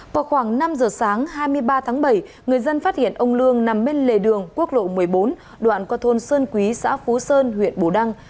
vào khoảng năm giờ sáng hai mươi ba tháng bảy người dân phát hiện ông lương nằm bên lề đường quốc lộ một mươi bốn đoạn qua thôn sơn quý xã phú sơn huyện bù đăng